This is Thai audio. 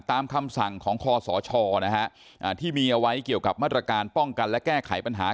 ตามคำสั่งของคอสชที่มีเอาไว้เกี่ยวกับมาตรการป้องกันและแก้ไขปัญหา